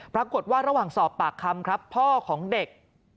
ปรากฏว่าระหว่างสอบปากคำครับพ่อของเด็ก